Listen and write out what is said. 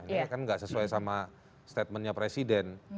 ini kan nggak sesuai sama statementnya presiden